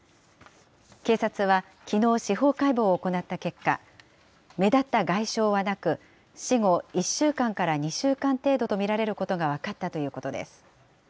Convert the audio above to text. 警察はきのう、司法解剖を行った結果、目立った外傷はなく、死後１週間から２週間程度と見られることが分かったということです。